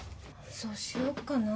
そうしようかな。